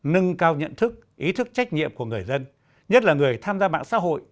nâng cao nhận thức ý thức trách nhiệm của người dân nhất là người tham gia mạng xã hội